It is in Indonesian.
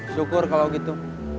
syukur kalau gitu